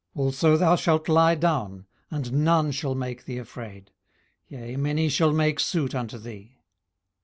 18:011:019 Also thou shalt lie down, and none shall make thee afraid; yea, many shall make suit unto thee.